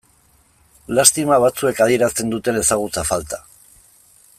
Lastima batzuek adierazten duten ezagutza falta.